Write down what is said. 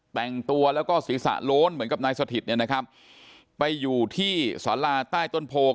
แต่งตัวแล้วก็ศีรษะโล้นเหมือนกับนายสถิตเนี่ยนะครับไปอยู่ที่สาราใต้ต้นโพ